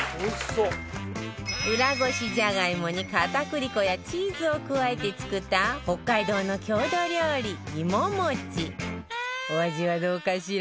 うらごしじゃがいもに片栗粉やチーズを加えて作った北海道の郷土料理、いももちお味は、どうかしら？